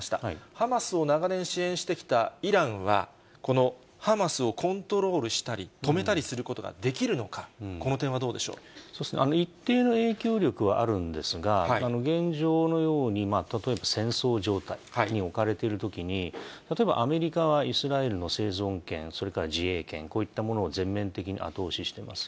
ハマスを長年支援してきたイランは、このハマスをコントロールしたり、止めたりすることができる一定の影響力はあるんですが、現状のように、例えば戦争状態に置かれてるときに、例えばアメリカはイスラエルの生存権、それから自衛権、こういったものを全面的に後押ししてます。